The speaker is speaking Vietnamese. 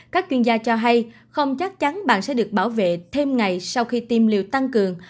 các chuyên gia cho hay không chắc chắn bạn sẽ được bảo vệ thêm ngày sau khi tiêm liều tăng cường